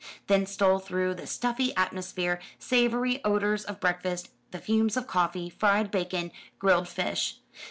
Then stole through the stuffy atmosphere savoury odours of breakfast, the fumes of coffee, fried bacon, grilled fish.